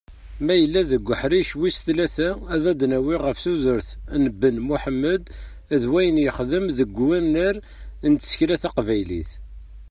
Ma yella deg uḥric wis tlata, ad d-nawwi ɣef tudert n Ben Muḥemmed d wayen yexdem deg wunar n tsekla taqbaylit.